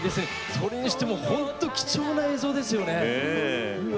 それにしても本当に貴重な映像ですよね。